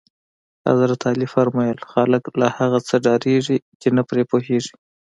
حضرت علی فرمایل: خلک له هغه څه ډارېږي چې نه پرې پوهېږي.